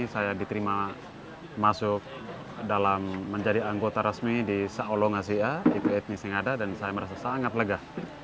saya diterima masuk dalam menjadi anggota resmi di saolongasia itu etnis singada dan saya merasa sangat lega